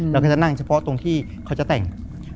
เราก็จะนั่งเฉพาะตรงที่เขาจะแต่ง